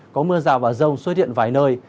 có mưa rào và rông xuất hiện vài nơi